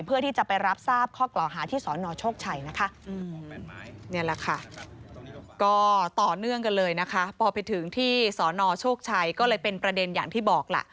พอไปถึงที่สอนอชโชคชัยก็เลยเป็นประเด็นอย่างที่บอกล่ะ